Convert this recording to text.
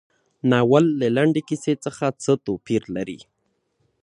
ناول له لنډې کیسې څخه څه توپیر لري.